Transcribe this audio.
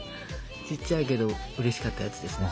ちっちゃいけどうれしかったやつですね。